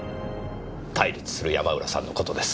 対立する山浦さんの事です。